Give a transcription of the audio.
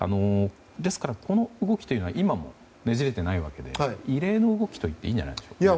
ですから、この動きというのは今もねじれていないわけで異例の動きといっていいんじゃないでしょうか。